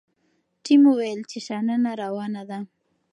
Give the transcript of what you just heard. ټیم وویل چې شننه روانه ده.